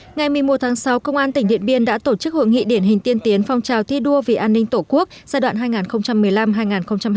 ngày một mươi một tháng sáu công an tỉnh điện biên đã tổ chức hội nghị điển hình tiên tiến phong trào thi đua vì an ninh tổ quốc giai đoạn hai nghìn một mươi năm hai nghìn hai mươi